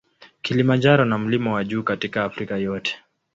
Kilimanjaro na mlima wa juu katika Afrika yote.